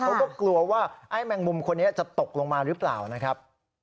เขาก็กลัวว่าไอ้แมงมุมคนนี้จะตกลงมาหรือเปล่านะครับ